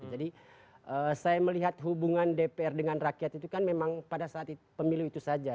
jadi saya melihat hubungan dpr dengan rakyat itu kan memang pada saat pemilu itu saja